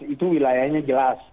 itu wilayahnya jelas